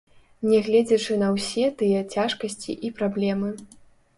Нягледзячы на ўсе тыя цяжкасці і праблемы.